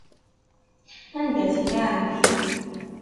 Anda tella ɛemmti-m?